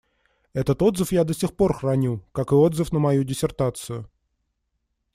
Этот отзыв я до сих пор храню, как и отзыв на мою диссертацию.